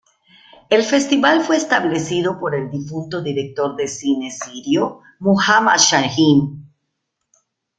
El festival fue establecido por el difunto director de cine sirio Muhammad Shahin.